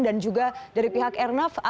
dan juga dari pihak airnav